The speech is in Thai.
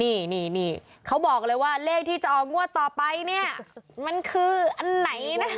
นี่นี่เขาบอกเลยว่าเลขที่จะออกงวดต่อไปเนี่ยมันคืออันไหนนะ